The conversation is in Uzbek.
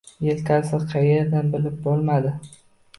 Yelkasi qaerda, bilib bo‘lmadi.